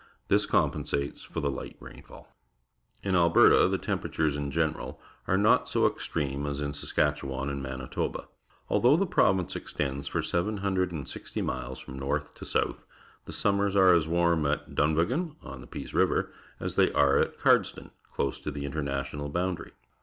Tliis compensates for the hght rainfall. In .Hberta, the temperatures, in general, are not so extreme as in Saskatchewan raid Manitoba. .Although the province extends for 760 miles from north to south, the summers are as warm at Dunvegan, on the Peace River, as they are at Cardston, close to the international boundary.